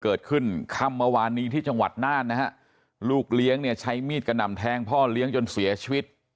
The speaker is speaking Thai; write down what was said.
ค่ำเมื่อวานนี้ที่จังหวัดน่านนะฮะลูกเลี้ยงเนี่ยใช้มีดกระหน่ำแทงพ่อเลี้ยงจนเสียชีวิต